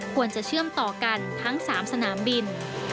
ควรจะเชื่อมต่อกันทั้ง๓สนามบิน